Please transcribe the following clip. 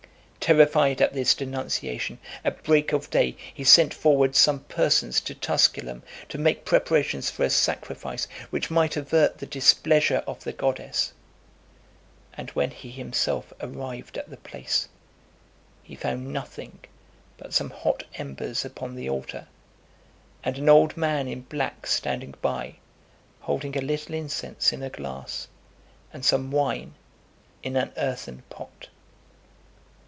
Terrified at this denunciation, at break of day he sent forward some persons to Tusculum, to make preparations for a sacrifice which might avert the displeasure of the goddess; and when he himself arrived at the place, he found nothing but some hot embers upon the altar, and an old man in black standing by, holding a little incense in a glass, and some wine in an earthern pot.